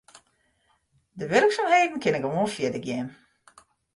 De wurksumheden kinne gewoan fierder gean.